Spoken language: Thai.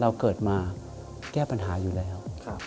เราเกิดมาแก้ปัญหาอยู่แล้ว